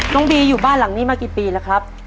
บีอยู่บ้านหลังนี้มากี่ปีแล้วครับ